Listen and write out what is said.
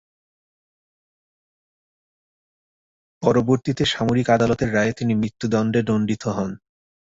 পরবর্তীতে সামরিক আদালতের রায়ে তিনি মৃত্যুদণ্ডে দণ্ডিত হন।